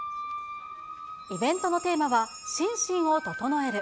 イベントのテーマは、心身を整える。